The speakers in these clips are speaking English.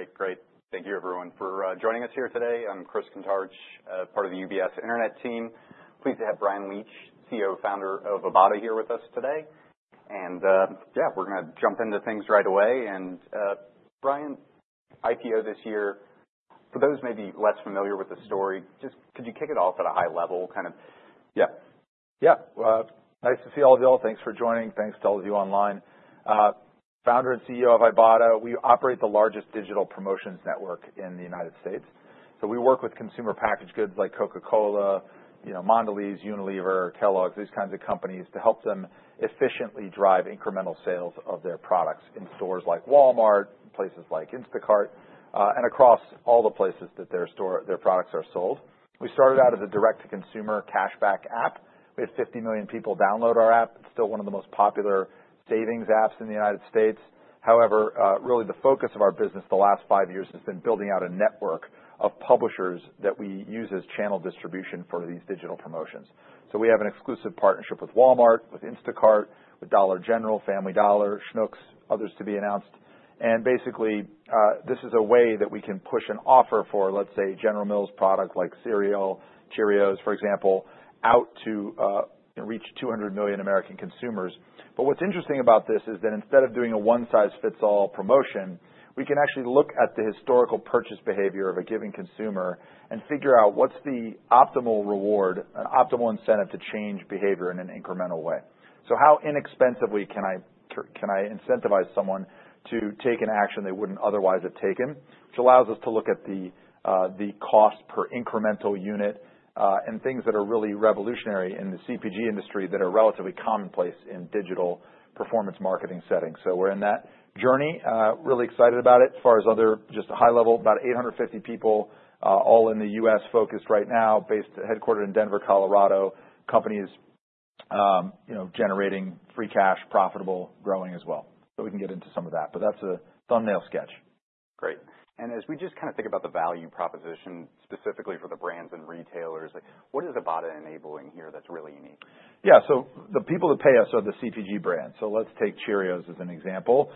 All right. Great. Thank you, everyone, for joining us here today. I'm Chris Kuntarich, part of the UBS Internet team. Pleased to have Bryan Leach, CEO and founder of Ibotta, here with us today. Yeah, we're gonna jump into things right away. Bryan, IPO this year. For those maybe less familiar with the story, just could you kick it off at a high level, kind of? Yeah. Yeah. Well, nice to see all of y'all. Thanks for joining. Thanks to all of you online. Founder and CEO of Ibotta, we operate the largest digital promotions network in the United States. So we work with consumer packaged goods like Coca-Cola, you know, Mondelēz, Unilever, Kellogg's, these kinds of companies to help them efficiently drive incremental sales of their products in stores like Walmart, places like Instacart, and across all the places that their products are sold. We started out as a direct-to-consumer cashback app. We had 50 million people download our app. It's still one of the most popular savings apps in the United States. However, really the focus of our business the last five years has been building out a network of publishers that we use as channel distribution for these digital promotions. So we have an exclusive partnership with Walmart, with Instacart, with Dollar General, Family Dollar, Schnucks, others to be announced. And basically, this is a way that we can push an offer for, let's say, General Mills products like cereal, Cheerios, for example, out to reach 200 million American consumers. But what's interesting about this is that instead of doing a one-size-fits-all promotion, we can actually look at the historical purchase behavior of a given consumer and figure out what's the optimal reward, an optimal incentive to change behavior in an incremental way. So how inexpensively can I incentivize someone to take an action they wouldn't otherwise have taken? Which allows us to look at the cost per incremental unit, and things that are really revolutionary in the CPG industry that are relatively commonplace in digital performance marketing settings. So we're in that journey. Really excited about it. As far as other just high level, about 850 people, all in the U.S. focused right now, based headquartered in Denver, Colorado. Companies, you know, generating free cash, profitable, growing as well. So we can get into some of that. But that's a thumbnail sketch. Great. And as we just kinda think about the value proposition specifically for the brands and retailers, like, what is Ibotta enabling here that's really unique? Yeah. So the people that pay us are the CPG brands. So let's take Cheerios as an example.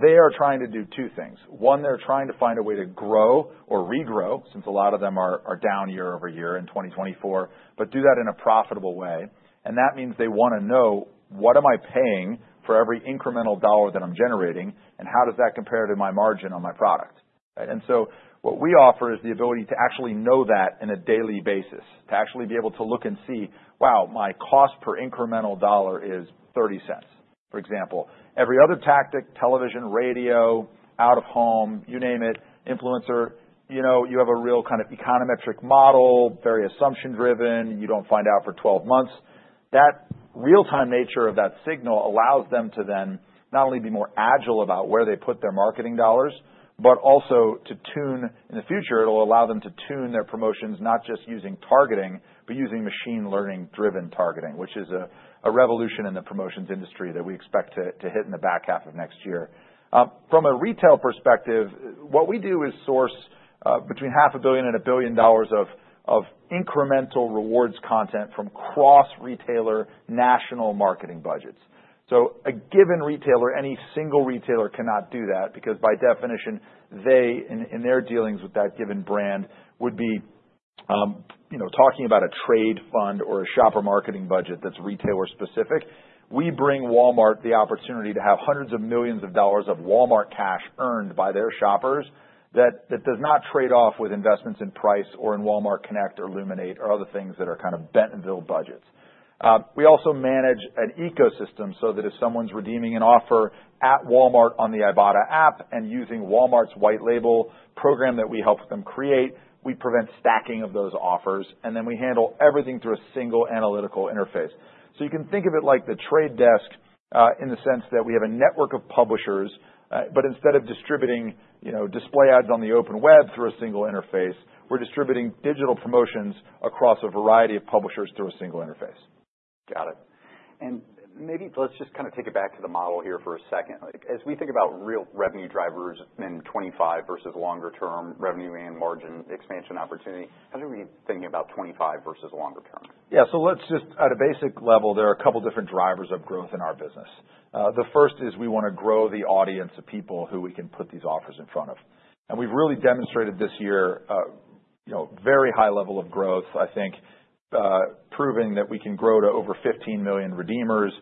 They are trying to do two things. One, they're trying to find a way to grow or regrow, since a lot of them are down year over year in 2024, but do that in a profitable way. And that means they wanna know, what am I paying for every incremental dollar that I'm generating, and how does that compare to my margin on my product? And so what we offer is the ability to actually know that on a daily basis, to actually be able to look and see, wow, my cost per incremental dollar is $0.30, for example. Every other tactic, television, radio, out of home, you name it, influencer, you know, you have a real kind of econometric model, very assumption-driven, you don't find out for 12 months. That real-time nature of that signal allows them to then not only be more agile about where they put their marketing dollars, but also to tune in the future, it'll allow them to tune their promotions not just using targeting, but using machine learning-driven targeting, which is a revolution in the promotions industry that we expect to hit in the back half of next year. From a retail perspective, what we do is source between $500 million and $1 billion of incremental rewards content from cross-retailer national marketing budgets. So a given retailer, any single retailer cannot do that because by definition, they in their dealings with that given brand would be, you know, talking about a trade fund or a shopper marketing budget that's retailer-specific. We bring Walmart the opportunity to have hundreds of millions of dollars of Walmart Cash earned by their shoppers that does not trade off with investments in price or in Walmart Connect or Luminate or other things that are kind of Bentonville budgets. We also manage an ecosystem so that if someone's redeeming an offer at Walmart on the Ibotta app and using Walmart's white label program that we help them create, we prevent stacking of those offers. Then we handle everything through a single analytical interface. You can think of it like The Trade Desk, in the sense that we have a network of publishers, but instead of distributing, you know, display ads on the open web through a single interface, we're distributing digital promotions across a variety of publishers through a single interface. Got it. And maybe let's just kinda take it back to the model here for a second. Like, as we think about real revenue drivers in 2025 versus longer-term revenue and margin expansion opportunity, how do we think about 2025 versus longer-term? Yeah. So let's just, at a basic level, there are a couple different drivers of growth in our business. The first is we wanna grow the audience of people who we can put these offers in front of. And we've really demonstrated this year, you know, very high level of growth, I think, proving that we can grow to over 15 million redeemers,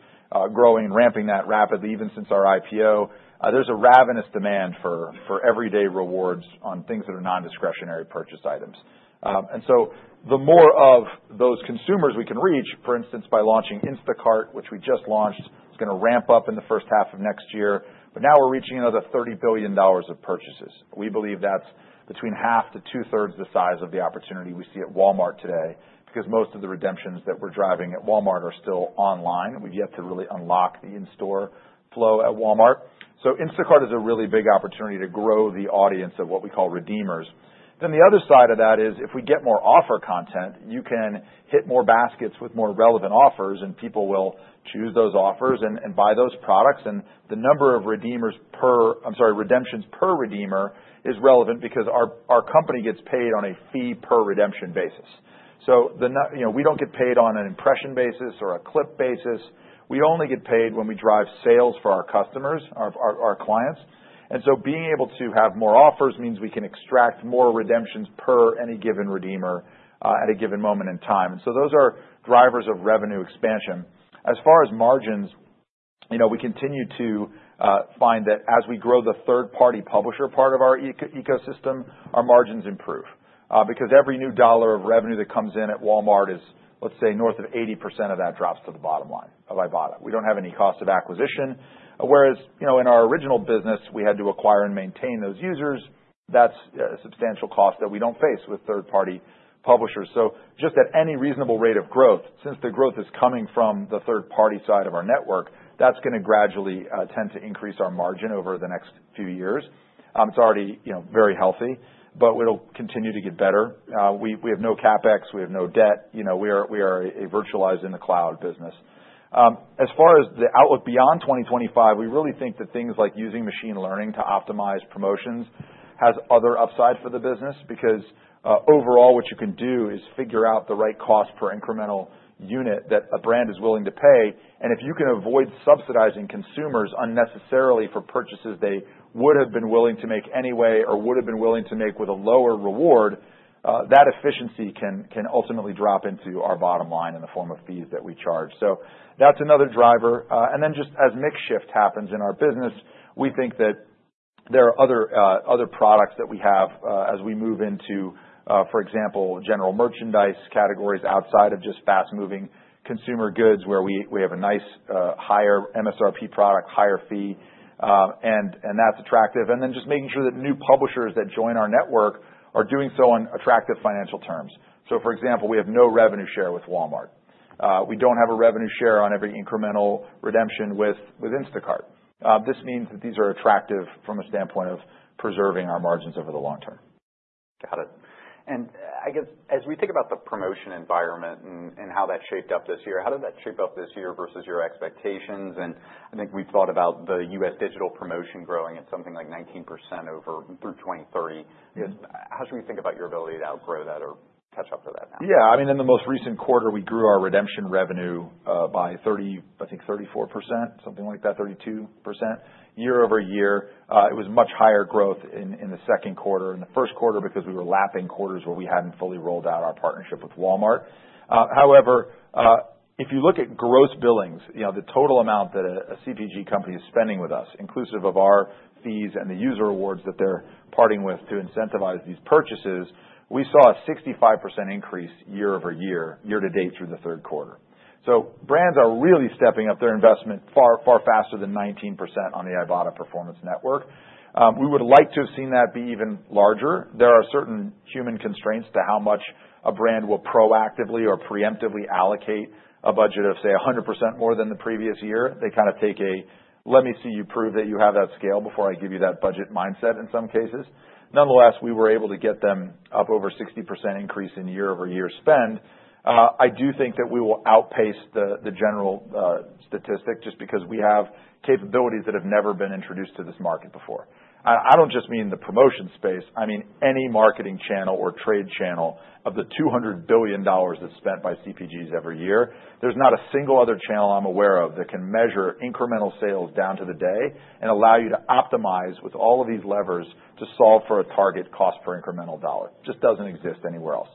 growing and ramping that rapidly even since our IPO. There's a ravenous demand for everyday rewards on things that are non-discretionary purchase items. And so the more of those consumers we can reach, for instance, by launching Instacart, which we just launched, it's gonna ramp up in the first half of next year. But now we're reaching another $30 billion of purchases. We believe that's between half to two-thirds the size of the opportunity we see at Walmart today because most of the redemptions that we're driving at Walmart are still online. We've yet to really unlock the in-store flow at Walmart. So Instacart is a really big opportunity to grow the audience of what we call redeemers. Then the other side of that is if we get more offer content, you can hit more baskets with more relevant offers and people will choose those offers and buy those products. And the number of redeemers per, I'm sorry, redemptions per redeemer is relevant because our company gets paid on a fee per redemption basis. So, you know, we don't get paid on an impression basis or a clip basis. We only get paid when we drive sales for our customers, our clients. And so being able to have more offers means we can extract more redemptions per any given redeemer, at a given moment in time. And so those are drivers of revenue expansion. As far as margins, you know, we continue to find that as we grow the third-party publisher part of our ecosystem, our margins improve. Because every new dollar of revenue that comes in at Walmart is, let's say, north of 80% of that drops to the bottom line of Ibotta. We don't have any cost of acquisition. Whereas, you know, in our original business, we had to acquire and maintain those users. That's a substantial cost that we don't face with third-party publishers. So just at any reasonable rate of growth, since the growth is coming from the third-party side of our network, that's gonna gradually tend to increase our margin over the next few years. It's already, you know, very healthy, but we'll continue to get better. We have no CapEx. We have no debt. You know, we are a virtualized-in-the-cloud business. As far as the outlook beyond 2025, we really think that things like using machine learning to optimize promotions has other upsides for the business because, overall, what you can do is figure out the right cost per incremental unit that a brand is willing to pay. And if you can avoid subsidizing consumers unnecessarily for purchases they would have been willing to make anyway or would have been willing to make with a lower reward, that efficiency can ultimately drop into our bottom line in the form of fees that we charge. So that's another driver. And then just as mix shift happens in our business, we think that there are other products that we have as we move into, for example, general merchandise categories outside of just fast-moving consumer goods where we have a nice higher MSRP product, higher fee. And that's attractive. And then just making sure that new publishers that join our network are doing so on attractive financial terms. So, for example, we have no revenue share with Walmart. We don't have a revenue share on every incremental redemption with Instacart. This means that these are attractive from a standpoint of preserving our margins over the long term. Got it. And I guess as we think about the promotion environment and how that shaped up this year, how did that shape up this year versus your expectations? And I think we've thought about the U.S. digital promotion growing at something like 19% over through 2030. I guess, how should we think about your ability to outgrow that or catch up to that now? Yeah. I mean, in the most recent quarter, we grew our redemption revenue by 30, I think 34%, something like that, 32% year over year. It was much higher growth in the second quarter and the first quarter because we were lapping quarters where we hadn't fully rolled out our partnership with Walmart. However, if you look at gross billings, you know, the total amount that a CPG company is spending with us, inclusive of our fees and the user awards that they're parting with to incentivize these purchases, we saw a 65% increase year over year, year to date through the third quarter. So brands are really stepping up their investment far, far faster than 19% on the Ibotta Performance Network. We would like to have seen that be even larger. There are certain human constraints to how much a brand will proactively or preemptively allocate a budget of, say, 100% more than the previous year. They kinda take a let me see you prove that you have that scale before I give you that budget mindset in some cases. Nonetheless, we were able to get them up over 60% increase in year-over-year spend. I do think that we will outpace the general statistic just because we have capabilities that have never been introduced to this market before. I don't just mean the promotion space. I mean any marketing channel or trade channel of the $200 billion that's spent by CPGs every year. There's not a single other channel I'm aware of that can measure incremental sales down to the day and allow you to optimize with all of these levers to solve for a target cost per incremental dollar. Just doesn't exist anywhere else.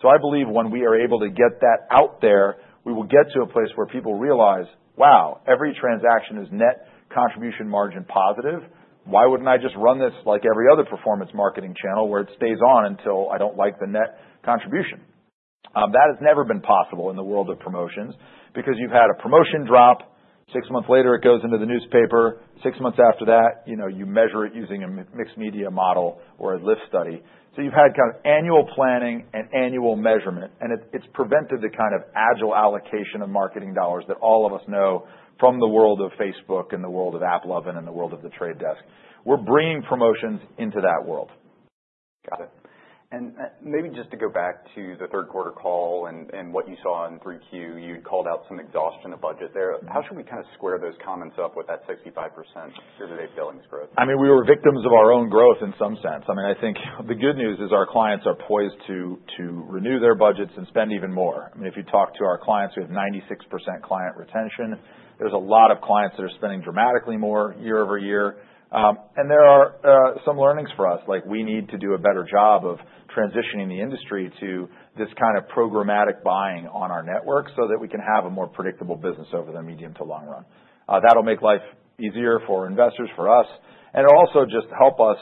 So I believe when we are able to get that out there, we will get to a place where people realize, wow, every transaction is net contribution margin positive. Why wouldn't I just run this like every other performance marketing channel where it stays on until I don't like the net contribution? That has never been possible in the world of promotions because you've had a promotion drop, six months later it goes into the newspaper, six months after that, you know, you measure it using a mixed media model or a lift study. So you've had kind of annual planning and annual measurement, and it's prevented the kind of agile allocation of marketing dollars that all of us know from the world of Facebook and the world of AppLovin and the world of The Trade Desk. We're bringing promotions into that world. Got it. And maybe just to go back to the third quarter call and what you saw in 3Q, you called out some exhaustion of budget there. How should we kinda square those comments up with that 65% year-to-date billings growth? I mean, we were victims of our own growth in some sense. I mean, I think the good news is our clients are poised to renew their budgets and spend even more. I mean, if you talk to our clients, we have 96% client retention. There's a lot of clients that are spending dramatically more year over year, and there are some learnings for us, like we need to do a better job of transitioning the industry to this kind of programmatic buying on our network so that we can have a more predictable business over the medium to long run. That'll make life easier for investors, for us, and it'll also just help us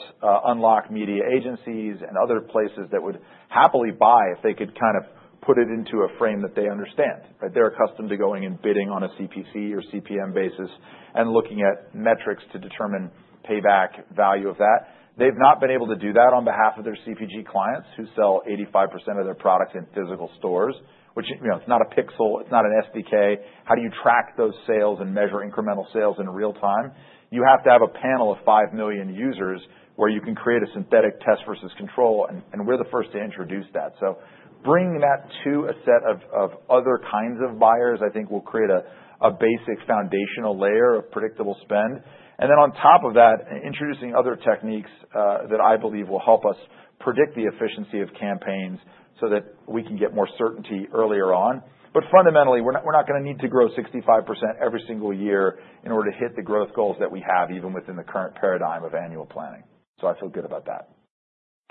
unlock media agencies and other places that would happily buy if they could kind of put it into a frame that they understand, right? They're accustomed to going and bidding on a CPC or CPM basis and looking at metrics to determine payback value of that. They've not been able to do that on behalf of their CPG clients who sell 85% of their products in physical stores, which, you know, it's not a pixel, it's not an SDK. How do you track those sales and measure incremental sales in real time? You have to have a panel of 5 million users where you can create a synthetic test versus control, and we're the first to introduce that. So bringing that to a set of other kinds of buyers, I think, will create a basic foundational layer of predictable spend. And then on top of that, introducing other techniques that I believe will help us predict the efficiency of campaigns so that we can get more certainty earlier on. But fundamentally, we're not gonna need to grow 65% every single year in order to hit the growth goals that we have even within the current paradigm of annual planning. So I feel good about that.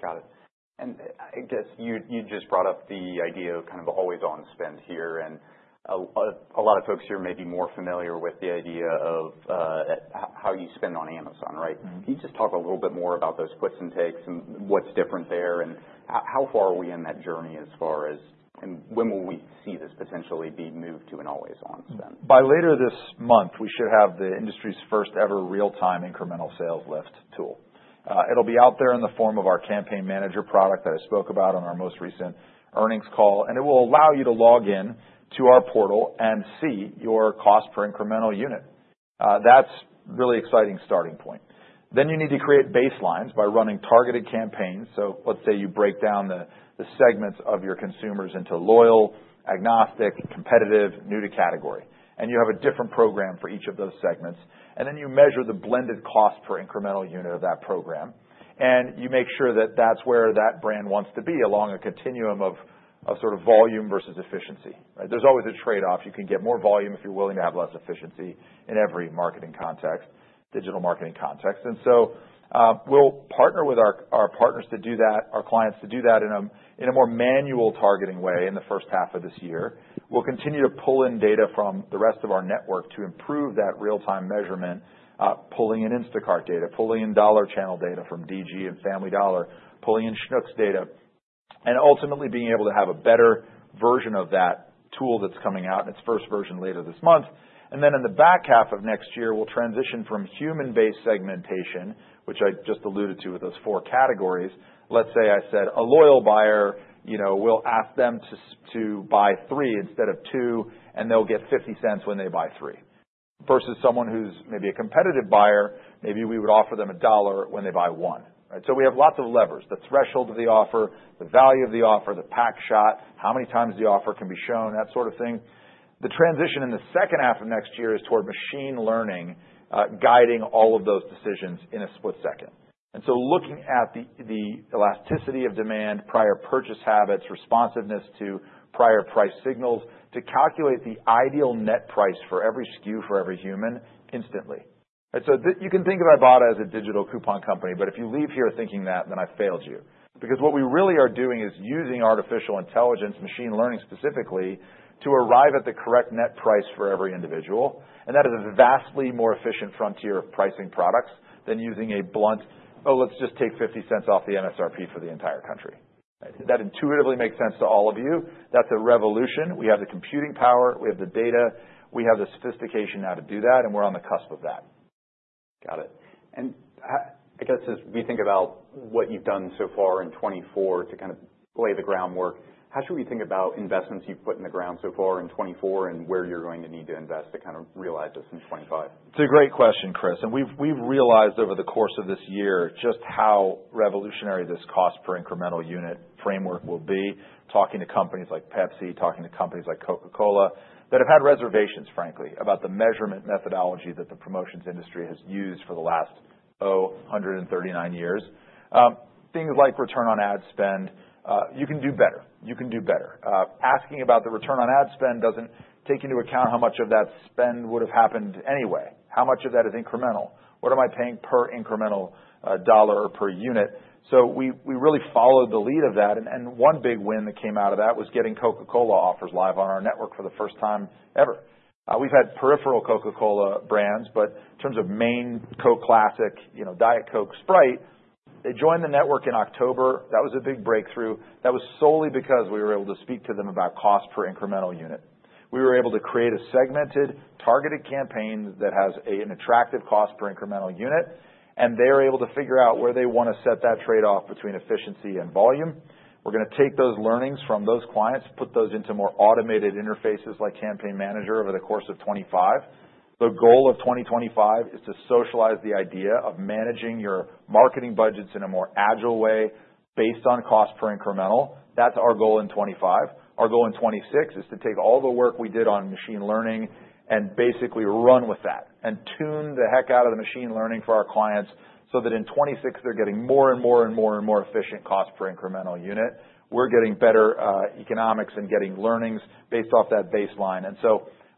Got it. And I guess you just brought up the idea of kind of the always-on spend here. And a lot of folks here may be more familiar with the idea of, how you spend on Amazon, right? Can you just talk a little bit more about those gives and takes and what's different there and how, how far are we in that journey as far as, and when will we see this potentially be moved to an always-on spend? By later this month, we should have the industry's first-ever real-time incremental sales lift tool. It'll be out there in the form of our Campaign Manager product that I spoke about on our most recent earnings call, and it will allow you to log in to our portal and see your cost per incremental unit. That's a really exciting starting point, then you need to create baselines by running targeted campaigns, so let's say you break down the segments of your consumers into loyal, agnostic, competitive, new-to-category, and you have a different program for each of those segments, and then you measure the blended cost per incremental unit of that program, and you make sure that that's where that brand wants to be along a continuum of sort of volume versus efficiency, right? There's always a trade-off. You can get more volume if you're willing to have less efficiency in every marketing context, digital marketing context. And so, we'll partner with our partners to do that, our clients to do that in a more manual targeting way in the first half of this year. We'll continue to pull in data from the rest of our network to improve that real-time measurement, pulling in Instacart data, pulling in dollar channel data from DG and Family Dollar, pulling in Schnucks data, and ultimately being able to have a better version of that tool that's coming out in its first version later this month. And then in the back half of next year, we'll transition from human-based segmentation, which I just alluded to with those four categories. Let's say a loyal buyer, you know, we'll ask them to buy three instead of two, and they'll get $0.50 when they buy three versus someone who's maybe a competitive buyer. Maybe we would offer them $1 when they buy one, right? So we have lots of levers: the threshold of the offer, the value of the offer, the pack shot, how many times the offer can be shown, that sort of thing. The transition in the second half of next year is toward machine learning, guiding all of those decisions in a split second. And so looking at the elasticity of demand, prior purchase habits, responsiveness to prior price signals to calculate the ideal net price for every SKU for every human instantly. And so that you can think of Ibotta as a digital coupon company. But if you leave here thinking that, then I failed you because what we really are doing is using artificial intelligence, machine learning specifically to arrive at the correct net price for every individual. And that is a vastly more efficient frontier of pricing products than using a blunt, "Oh, let's just take $0.50 off the MSRP for the entire country." That intuitively makes sense to all of you. That's a revolution. We have the computing power, we have the data, we have the sophistication now to do that, and we're on the cusp of that. Got it, and I guess as we think about what you've done so far in 2024 to kind of lay the groundwork, how should we think about investments you've put in the ground so far in 2024 and where you're going to need to invest to kind of realize this in 2025? It's a great question, Chris. And we've, we've realized over the course of this year just how revolutionary this cost per incremental unit framework will be, talking to companies like Pepsi, talking to companies like Coca-Cola that have had reservations, frankly, about the measurement methodology that the promotions industry has used for the last, oh, 139 years. Things like return on ad spend, you can do better. You can do better. Asking about the return on ad spend doesn't take into account how much of that spend would've happened anyway. How much of that is incremental? What am I paying per incremental, dollar or per unit? So we, we really followed the lead of that. And, and one big win that came out of that was getting Coca-Cola offers live on our network for the first time ever. We've had peripheral Coca-Cola brands, but in terms of main Coca-Cola Classic, you know, Diet Coke, Sprite, they joined the network in October. That was a big breakthrough. That was solely because we were able to speak to them about cost per incremental unit. We were able to create a segmented targeted campaign that has an attractive cost per incremental unit, and they're able to figure out where they wanna set that trade-off between efficiency and volume. We're gonna take those learnings from those clients, put those into more automated interfaces like Campaign Manager over the course of 2025. The goal of 2025 is to socialize the idea of managing your marketing budgets in a more agile way based on cost per incremental. That's our goal in 2025. Our goal in 2026 is to take all the work we did on machine learning and basically run with that and tune the heck out of the machine learning for our clients so that in 2026 they're getting more and more and more and more efficient cost per incremental unit. We're getting better economics and getting learnings based off that baseline. And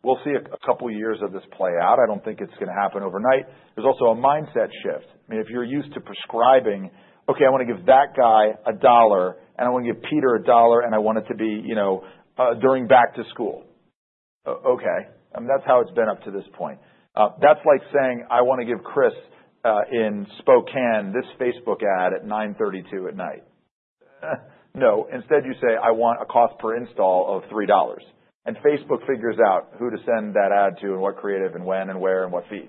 so we'll see a couple years of this play out. I don't think it's gonna happen overnight. There's also a mindset shift. I mean, if you're used to prescribing, "Okay, I wanna give that guy a dollar, and I wanna give Peter a dollar, and I want it to be, you know, during back to school." Okay. And that's how it's been up to this point. That's like saying, "I wanna give Chris, in Spokane this Facebook ad at 9:32 P.M." No. Instead, you say, "I want a cost per install of $3." And Facebook figures out who to send that ad to and what creative and when and where and what fee,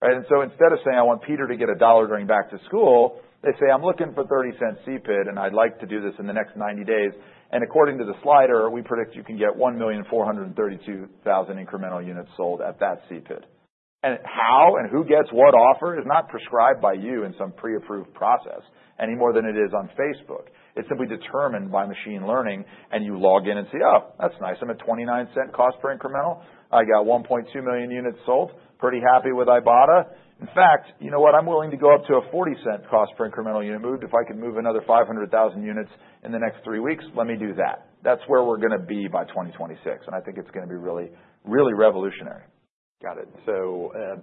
right? And so instead of saying, "I want Peter to get $1 during back to school," they say, "I'm looking for $0.30 CPIU, and I'd like to do this in the next 90 days." And according to the slider, we predict you can get 1,432,000 incremental units sold at that CPIU. And how and who gets what offer is not prescribed by you in some pre-approved process any more than it is on Facebook. It's simply determined by machine learning, and you log in and see, "Oh, that's nice. I'm at $0.29 cost per incremental. I got 1.2 million units sold. Pretty happy with Ibotta. In fact, you know what? I'm willing to go up to a $0.40 cost per incremental unit move if I can move another 500,000 units in the next three weeks. Let me do that." That's where we're gonna be by 2026, and I think it's gonna be really, really revolutionary. Got it. So,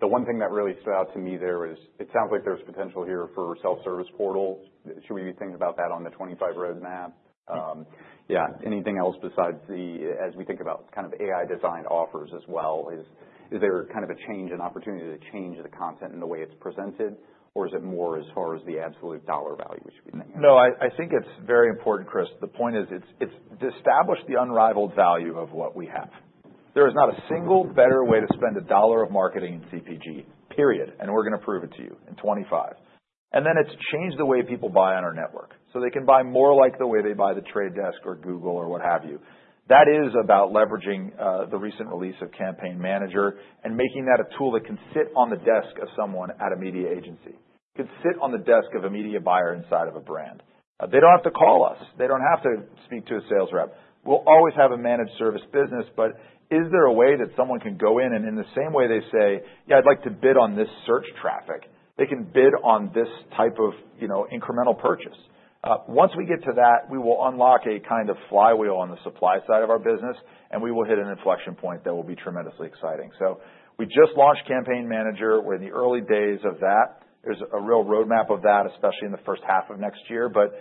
the one thing that really stood out to me there was it sounds like there's potential here for self-service portal. Should we be thinking about that on the 2025 roadmap? Yeah. Anything else besides, as we think about kind of AI-designed offers as well? Is there kind of a change in opportunity to change the content and the way it's presented, or is it more as far as the absolute dollar value we should be thinking? No, I think it's very important, Chris. The point is it's to establish the unrivaled value of what we have. There is not a single better way to spend a dollar of marketing in CPG, period. And we're gonna prove it to you in 2025. And then it's to change the way people buy on our network so they can buy more like the way they buy The Trade Desk or Google or what have you. That is about leveraging the recent release of Campaign Manager and making that a tool that can sit on the desk of someone at a media agency, can sit on the desk of a media buyer inside of a brand. They don't have to call us. They don't have to speak to a sales rep. We'll always have a managed service business. But is there a way that someone can go in and in the same way they say, "Yeah, I'd like to bid on this search traffic," they can bid on this type of, you know, incremental purchase? Once we get to that, we will unlock a kind of flywheel on the supply side of our business, and we will hit an inflection point that will be tremendously exciting, so we just launched Campaign Manager. We're in the early days of that. There's a real roadmap of that, especially in the first half of next year, but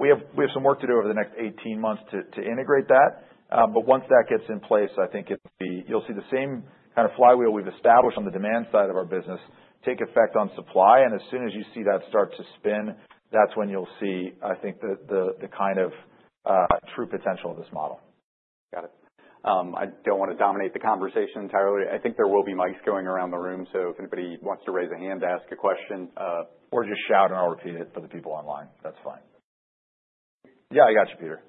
we have some work to do over the next 18 months to integrate that, but once that gets in place, I think it'll be, you'll see the same kind of flywheel we've established on the demand side of our business take effect on supply. As soon as you see that start to spin, that's when you'll see, I think, the kind of true potential of this model. Got it. I don't wanna dominate the conversation entirely. I think there will be mics going around the room. So if anybody wants to raise a hand, ask a question, Or just shout and I'll repeat it for the people online. That's fine. Yeah, I got you, Peter.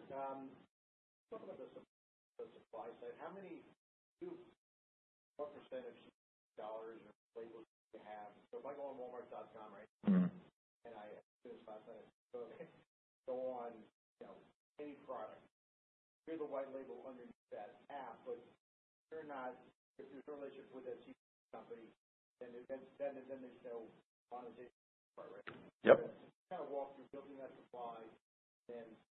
Talk about the supply side. How many do what percentage dollars or labels do you have? So if I go on Walmart.com, right? I spend $5,000. If I go on, you know, any product, there's a white label underneath that app, but they're not if there's a relationship with that CPG company. Then they sell monetization part, right? Yep. Kind of walk through building that supply and then how that works for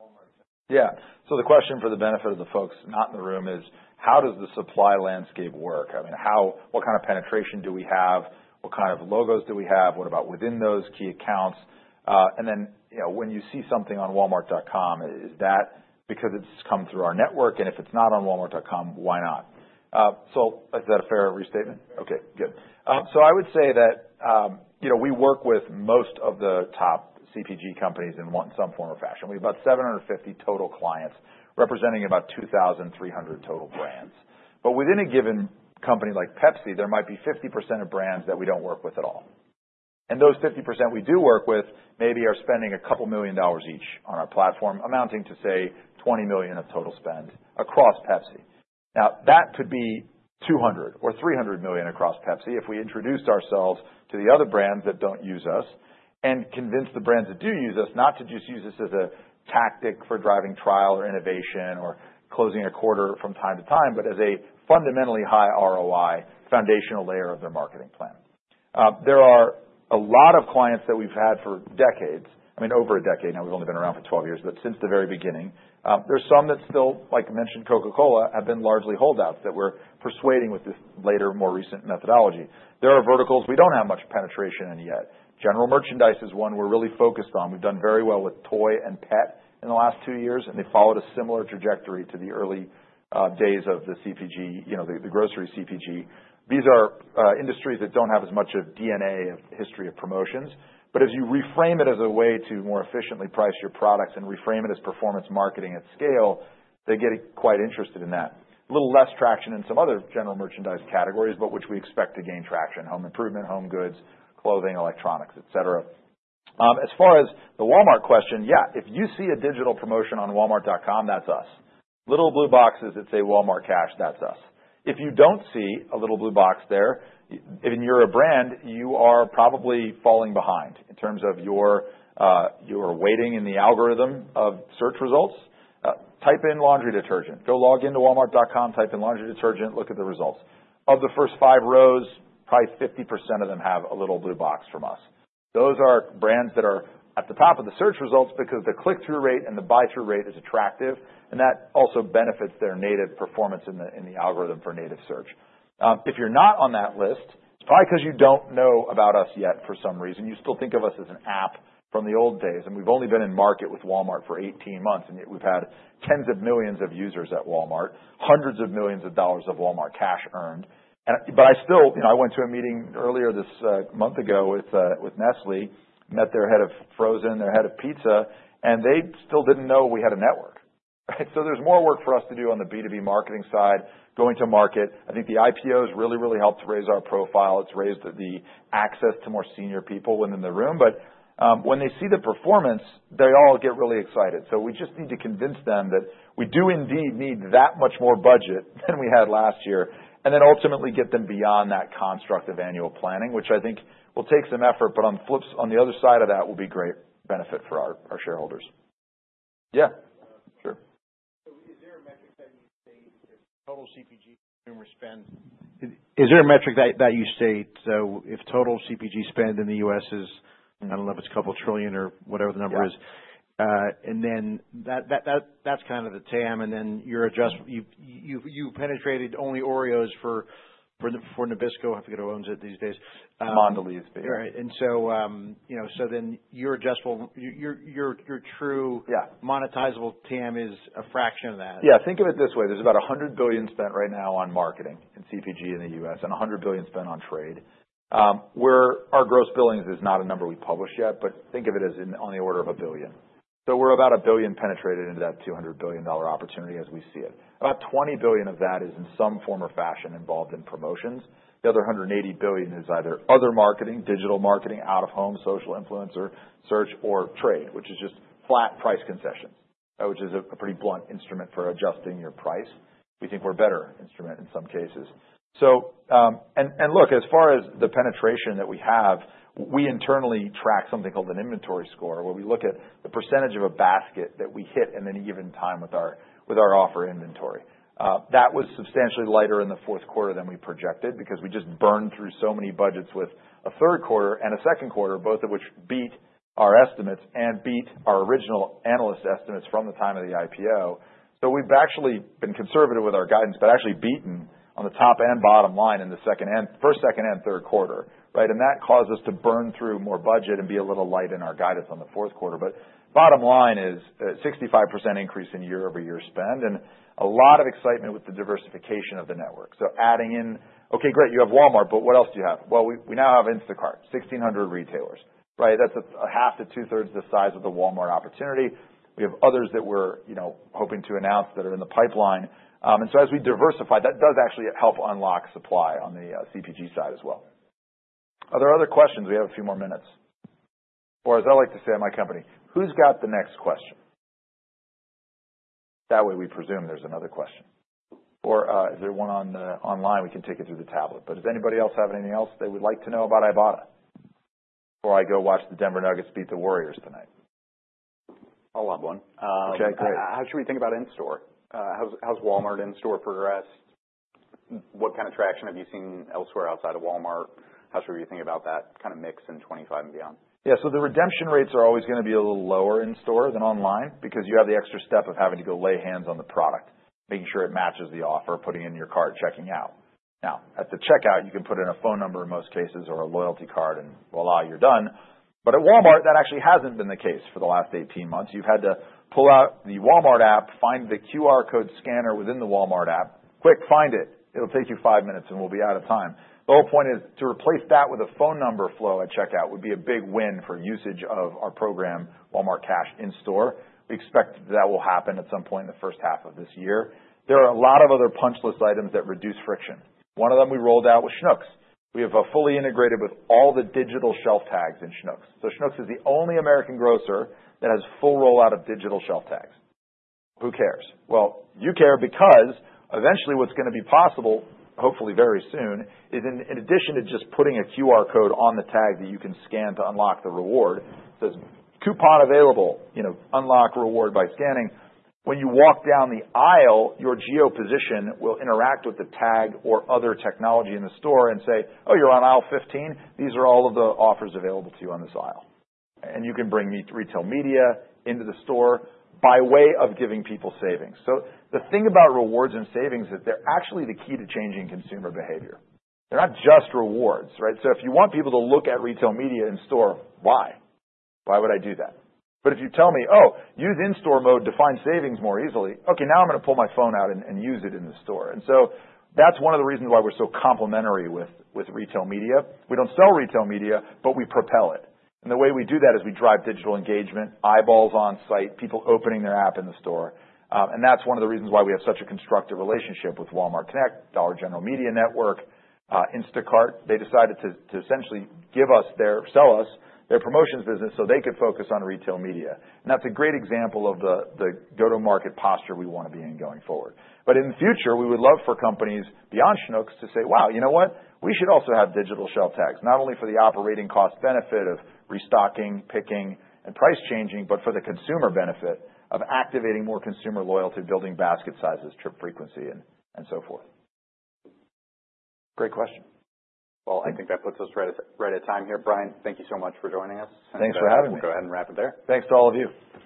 Walmart. Yeah. So the question for the benefit of the folks not in the room is how does the supply landscape work? I mean, how what kind of penetration do we have? What kind of logos do we have? What about within those key accounts? And then, you know, when you see something on Walmart.com, is that because it's come through our network? And if it's not on Walmart.com, why not? So is that a fair restatement? Okay. Good, so I would say that, you know, we work with most of the top CPG companies in one some form or fashion. We have about 750 total clients representing about 2,300 total brands. But within a given company like Pepsi, there might be 50% of brands that we don't work with at all. And those 50% we do work with maybe are spending $2 million each on our platform, amounting to, say, $20 million of total spend across Pepsi. Now, that could be $200 million or $300 million across Pepsi if we introduced ourselves to the other brands that don't use us and convinced the brands that do use us not to just use us as a tactic for driving trial or innovation or closing a quarter from time to time, but as a fundamentally high ROI foundational layer of their marketing plan. There are a lot of clients that we've had for decades. I mean, over a decade. Now, we've only been around for 12 years, but since the very beginning, there's some that still, like you mentioned, Coca-Cola have been largely holdouts that we're persuading with this later, more recent methodology. There are verticals we don't have much penetration in yet. general merchandise is one we're really focused on. We've done very well with toy and pet in the last two years, and they followed a similar trajectory to the early days of the CPG, you know, the grocery CPG. These are industries that don't have as much DNA of history of promotions. But as you reframe it as a way to more efficiently price your products and reframe it as performance marketing at scale, they get quite interested in that. A little less traction in some other general merchandise categories, but which we expect to gain traction: home improvement, home goods, clothing, electronics, etc. As far as the Walmart question, yeah, if you see a digital promotion on Walmart.com, that's us. Little blue boxes that say Walmart Cash, that's us. If you don't see a little blue box there, and you're a brand, you are probably falling behind in terms of your weighting in the algorithm of search results. Type in laundry detergent. Go log into Walmart.com, type in laundry detergent, look at the results. Of the first five rows, probably 50% of them have a little blue box from us. Those are brands that are at the top of the search results because the click-through rate and the buy-through rate is attractive, and that also benefits their native performance in the algorithm for native search. If you're not on that list, it's probably 'cause you don't know about us yet for some reason. You still think of us as an app from the old days, and we've only been in market with Walmart for 18 months, and yet we've had tens of millions of users at Walmart, hundreds of millions of dollars of Walmart Cash earned. And but I still, you know, I went to a meeting earlier this month ago with Nestlé, met their head of frozen, their head of pizza, and they still didn't know we had a network, right? So there's more work for us to do on the B2B marketing side, going to market. I think the IPOs really, really helped to raise our profile. It's raised the access to more senior people within the room. But when they see the performance, they all get really excited. So we just need to convince them that we do indeed need that much more budget than we had last year and then ultimately get them beyond that construct of annual planning, which I think will take some effort, but on the flip side on the other side of that will be great benefit for our shareholders. Yeah. Sure. So is there a metric that you say if total CPG consumer spend? Is there a metric that you state? So if total CPG spend in the U.S. is, I don't know if it's a couple trillion or whatever the number is. Yeah. and then that's kind of the TAM. And then you've penetrated only Oreos for Nabisco. I forget who owns it these days. Mondelēz, but yeah. Right. And so, you know, so then your addressable, your true. Yeah. Monetizable TAM is a fraction of that. Yeah. Think of it this way. There's about $100 billion spent right now on marketing and CPG in the U.S. and $100 billion spent on trade, where our gross billings is not a number we publish yet, but think of it as in on the order of $1 billion. So we're about $1 billion penetrated into that $200 billion opportunity as we see it. About $20 billion of that is in some form or fashion involved in promotions. The other $180 billion is either other marketing, digital marketing, out-of-home, social influencer search, or trade, which is just flat price concessions, which is a pretty blunt instrument for adjusting your price. We think we're a better instrument in some cases. Look, as far as the penetration that we have, we internally track something called an inventory score where we look at the percentage of a basket that we hit in any given time with our offer inventory that was substantially lighter in the fourth quarter than we projected because we just burned through so many budgets with a third quarter and a second quarter, both of which beat our estimates and beat our original analyst estimates from the time of the IPO. We've actually been conservative with our guidance, but actually beaten on the top and bottom line in the first, second, and third quarter, right? And that caused us to burn through more budget and be a little light in our guidance on the fourth quarter. But bottom line is a 65% increase in year-over-year spend and a lot of excitement with the diversification of the network. So adding in, okay, great, you have Walmart, but what else do you have? Well, we now have Instacart, 1,600 retailers, right? That's a half to two-thirds the size of the Walmart opportunity. We have others that we're, you know, hoping to announce that are in the pipeline, and so as we diversify, that does actually help unlock supply on the CPG side as well. Are there other questions? We have a few more minutes. Or as I like to say in my company, who's got the next question? That way we presume there's another question. Or, is there one on the online? We can take it through the tablet. But does anybody else have anything else they would like to know about Ibotta? Or I go watch the Denver Nuggets beat the Warriors tonight? I'll have one. Okay. Great. How should we think about in-store? How's Walmart in-store progressed? What kind of traction have you seen elsewhere outside of Walmart? How should we be thinking about that kind of mix in 2025 and beyond? Yeah. So the redemption rates are always gonna be a little lower in-store than online because you have the extra step of having to go lay hands on the product, making sure it matches the offer, putting in your card, checking out. Now, at the checkout, you can put in a phone number in most cases or a loyalty card and voila, you're done. But at Walmart, that actually hasn't been the case for the last 18 months. You've had to pull out the Walmart app, find the QR code scanner within the Walmart app. Quick, find it. It'll take you five minutes and we'll be out of time. The whole point is to replace that with a phone number flow at checkout would be a big win for usage of our program, Walmart Cash in-store. We expect that will happen at some point in the first half of this year. There are a lot of other punch list items that reduce friction. One of them we rolled out was Schnucks. We have a fully integrated with all the digital shelf tags in Schnucks. So Schnucks is the only American grocer that has full rollout of digital shelf tags. Who cares? Well, you care because eventually what's gonna be possible, hopefully very soon, is in addition to just putting a QR code on the tag that you can scan to unlock the reward, it says coupon available, you know, unlock reward by scanning. When you walk down the aisle, your geo-position will interact with the tag or other technology in the store and say, "Oh, you're on aisle 15. These are all of the offers available to you on this aisle." And you can bring me retail media into the store by way of giving people savings. So the thing about rewards and savings is they're actually the key to changing consumer behavior. They're not just rewards, right? So if you want people to look at retail media in-store, why? Why would I do that? But if you tell me, "Oh, use in-store mode to find savings more easily," okay, now I'm gonna pull my phone out and use it in the store. And so that's one of the reasons why we're so complementary with retail media. We don't sell retail media, but we propel it. And the way we do that is we drive digital engagement, eyeballs on site, people opening their app in the store. And that's one of the reasons why we have such a constructive relationship with Walmart Connect, Dollar General Media Network, Instacart. They decided to essentially give us their sell us their promotions business so they could focus on retail media. And that's a great example of the go-to-market posture we wanna be in going forward. But in the future, we would love for companies beyond Schnucks to say, "Wow, you know what? We should also have digital shelf tags, not only for the operating cost benefit of restocking, picking, and price changing, but for the consumer benefit of activating more consumer loyalty, building basket sizes, trip frequency, and so forth." Great question. I think that puts us right at time here. Bryan, thank you so much for joining us. Thanks for having me. Go ahead and wrap it there. Thanks to all of you.